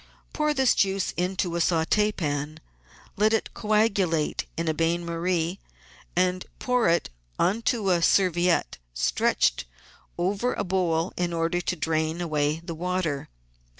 Pour this juice into a saut^pan, let it coagu late in a bain marie, and pour it on to a serviette stretched over a bowl in order to drain away the water.